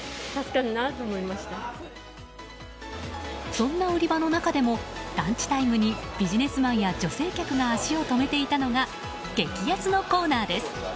そんな売り場の中でもランチタイムにビジネスマンや女性客が足を止めていたのが激安のコーナーです。